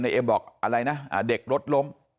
เอ็มบอกอะไรนะเด็กรถล้ม